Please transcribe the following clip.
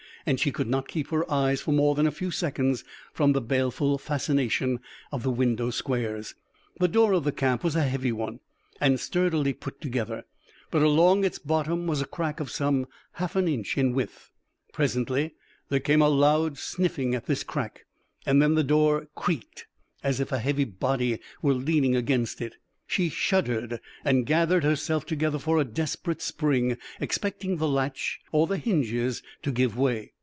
And she could not keep her eyes for more than a few seconds from the baleful fascination of the window squares. The door of the camp was a heavy one and sturdily put together, but along its bottom was a crack some half an inch in width. Presently there came a loud sniffing at this crack, and then the door creaked, as if a heavy body were leaning against it. She shuddered and gathered herself together for a desperate spring, expecting the latch or the hinges to give way.